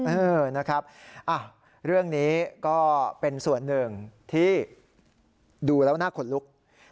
เออนะครับเรื่องนี้ก็เป็นส่วนหนึ่งที่ดูแล้วน่าขนลุก